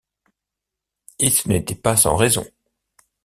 Et ce n’était pas sans raison!